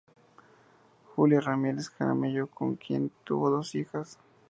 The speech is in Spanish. Julia Ramírez Jaramillo, con quien tuvo dos hijas.